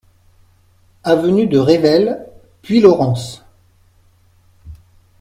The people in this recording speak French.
Avenue de Revel, Puylaurens